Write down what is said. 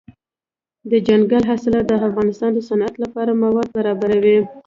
دځنګل حاصلات د افغانستان د صنعت لپاره مواد برابروي.